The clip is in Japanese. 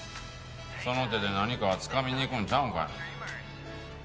その手で何かつかみに行くんちゃうんか？